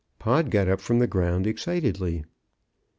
Pod got up from the ground excitedly.